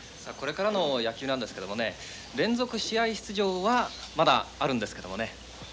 さあこれからの野球なんですけどもね連続試合出場はまだあるんですけどもね。